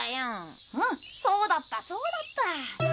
うんそうだったそうだった。